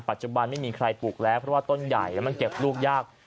ไม่มีใครปลูกแล้วเพราะว่าต้นใหญ่แล้วมันเก็บลูกยาก